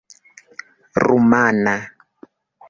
rumana